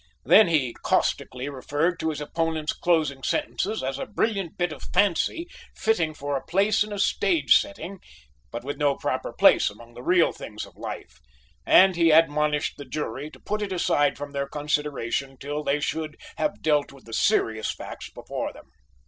Then he caustically referred to his opponent's closing sentences as a brilliant bit of fancy fitting for a place in a stage setting, but with no proper place among the real things of life, and he admonished the jury to put it aside from their consideration till they should have dealt with the serious facts before them.